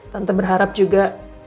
tante berharap juga